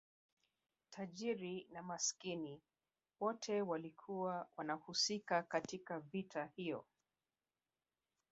tajiri na masikini wote walikuwa wanahusika katika vita hiyo